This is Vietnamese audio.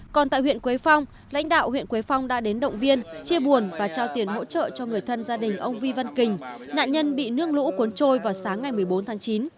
còn tại huyện quế phong lãnh đạo huyện quế phong đã đến động viên chia buồn và trao tiền hỗ trợ cho người thân gia đình ông vi văn kình nạn nhân bị nước lũ cuốn trôi vào sáng ngày một mươi bốn tháng chín